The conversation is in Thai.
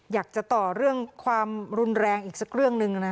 อยากจะต่อเรื่องความรุนแรงอีกสักเรื่องหนึ่งนะ